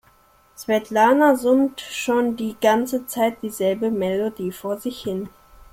Svetlana summt schon die ganze Zeit dieselbe Melodie vor sich hin.